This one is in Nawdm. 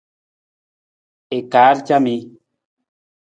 I kaar camii.